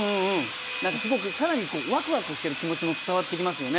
何かすごく更にわくわくしてる気持ちも伝わってきますよね。